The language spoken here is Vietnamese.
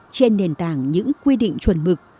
trên nền tảng những quy định chuẩn mực